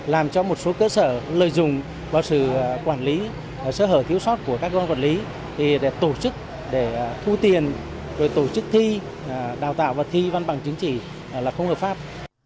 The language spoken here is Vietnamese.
làm cho một số cơ sở lợi dụng vào sự quản lý sơ hở thiếu sót của các cơ quan quản lý để tổ chức để thu tiền rồi tổ chức thi đào tạo và thi văn bằng chứng chỉ là không hợp pháp